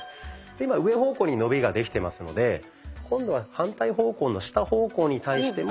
今上方向に伸びができてますので今度は反対方向の下方向に対しても。